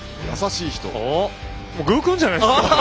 具君じゃないですか？